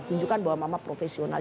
tunjukkan bahwa mama profesional